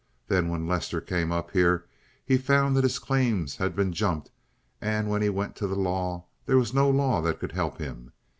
Then when Lester came up here he found that his claims had been jumped, and when he went to the law there was no law that could help him.